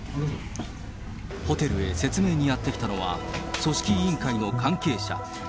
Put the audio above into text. ホテルへ説明にやってきたのは、組織委員会の関係者。